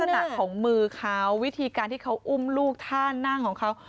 หนักของมือเขาวิธีการที่เขาอุ้มลูกท่านั่งของเขา